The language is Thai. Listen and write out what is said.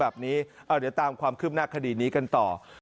เดี๋ยวตามความคืบหน้าคดีนี้กันต่อ